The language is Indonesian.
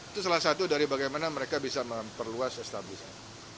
itu salah satu dari bagaimana mereka bisa memperluas establisnya